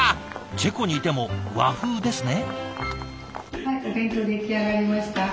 チェコにいても和風ですね。